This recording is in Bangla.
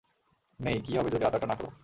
মেই, কী হবে যদি আচারটা না করো?